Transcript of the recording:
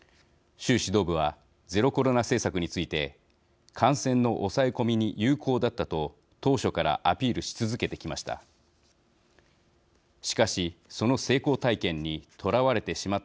習指導部はゼロコロナ政策について感染の抑え込みに有効だったと当初からアピールし続けてきました。